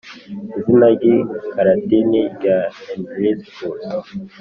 izina ry ikilatini rya Henricus